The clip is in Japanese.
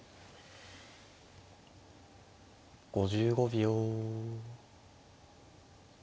５５秒。